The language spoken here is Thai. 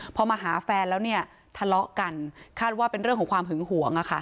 พอมาหาแฟนแล้วเนี่ยทะเลาะกันคาดว่าเป็นเรื่องของความหึงหวง